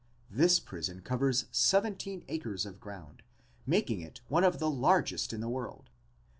This prison covers seventeen acres of ground, making it one of the largest in the world.